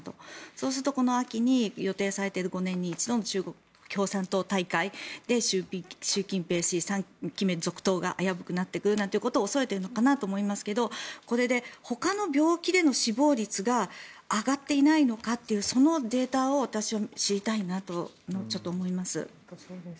そうするとこの秋に予定されている５年に１度の中国共産党大会で習近平氏３期目続投が危うくなってくるなんていうことを恐れているのかなと思いますがほかの病気での死亡率が上がっていないのかというそのデータを私は知りたいなと思います。